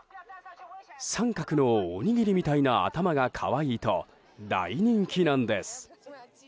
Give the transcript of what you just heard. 三角のおにぎりみたいな頭が可愛いと大人気なんです。